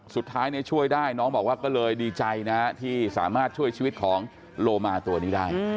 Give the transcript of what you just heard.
สุดท้ายช่วยได้น้องบอกว่าก็เลยดีใจนะที่สามารถช่วยชีวิตของโลมาตัวนี้ได้